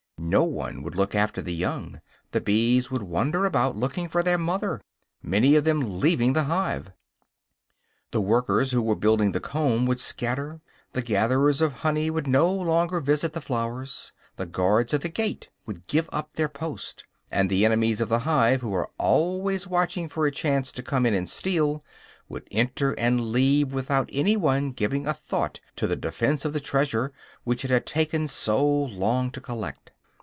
No one would look after the young; the bees would wander about looking for their mother, many of them leaving the hive. The workers who were building the comb would scatter, the gatherers of honey would no longer visit the flowers, the guards at the gate would give up their post; and the enemies of the hive, who are always watching for a chance to come in and steal, would enter and leave without any one giving a thought to the defense of the treasure which it had taken so long to collect.